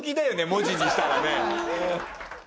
文字にしたらね。